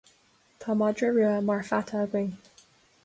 Tá madra rua mar pheata againn